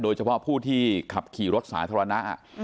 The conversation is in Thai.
โดยเฉพาะผู้ที่ขับขี่รถสาธารณะ